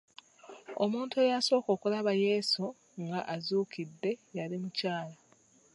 Omuntu eyasooka okulaba Yesu nga azuukidde yali mukyala.